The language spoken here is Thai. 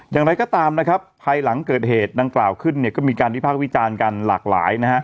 อย่างไรก็ตามภายหลังเกิดเหตุดังกล่าวขึ้นก็มีการพิพากษ์วิจารณ์กันหลากหลาย